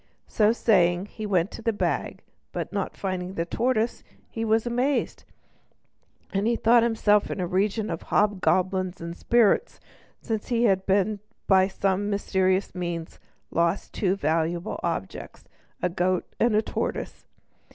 So saying, he went to the bag, but not finding the tortoise he was amazed, and thought himself in a region of hobgoblins and spirits, since he had by some mysterious means lost two valuable objects, a goat and a tortoise!